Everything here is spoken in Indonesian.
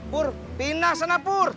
pur pindah sana pur